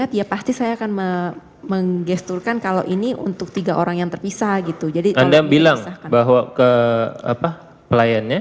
tapi pakaiannya sama ya